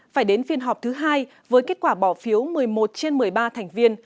phải đến phiên họp thứ hai với kết quả bỏ phiếu một mươi một trên một mươi ba thành viên